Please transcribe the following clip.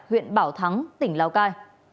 huyện bảo thắng tỉnh lào cai